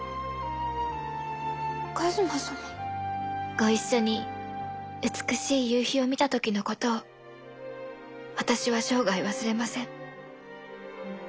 「ご一緒に美しい夕日を見た時のことを私は生涯忘れません。